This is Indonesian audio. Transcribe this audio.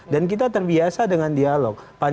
dan kita terbiasa dengan dialog